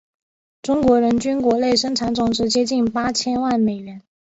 中国人均国内生产总值接近八千万美元。